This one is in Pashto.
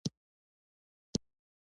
فیروز آباد چېرې وو.